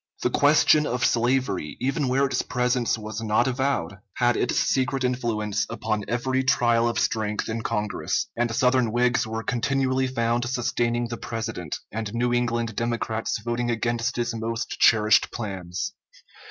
The question of slavery, even where its presence was not avowed, had its secret influence upon every trial of strength in Congress, and Southern Whigs were continually found sustaining the President, and New England Democrats voting against his most cherished plans.